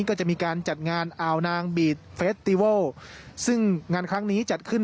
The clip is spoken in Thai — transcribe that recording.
ก็จะมีการจัดงานอ่าวนางบีดเฟสติเวิลซึ่งงานครั้งนี้จัดขึ้น